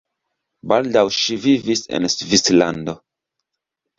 Baldaŭ ŝi vivis en Svislando.